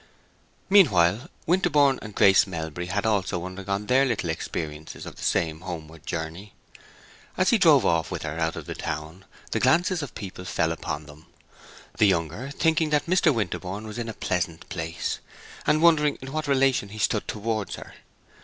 Meanwhile, Winterborne and Grace Melbury had also undergone their little experiences of the same homeward journey. As he drove off with her out of the town the glances of people fell upon them, the younger thinking that Mr. Winterborne was in a pleasant place, and wondering in what relation he stood towards her.